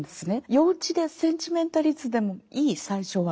幼稚でセンチメンタリズムでもいい最初は。